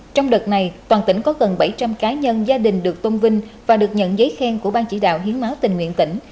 trong đợt này toàn tỉnh có gần bảy trăm linh cá nhân gia đình được tôn vinh và được nhận giấy khen của bang chỉ đạo hiến máu tình nguyện tỉnh